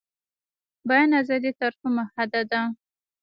بیان ازادي تر کومه حده ده؟